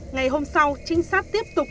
ngày hôm sau trinh sát tiếp tục